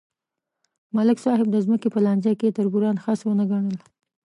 ملک صاحب د ځمکې په لانجه کې تربوران خس ونه ګڼل.